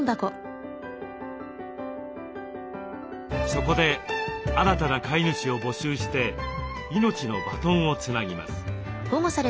そこで新たな飼い主を募集して命のバトンをつなぎます。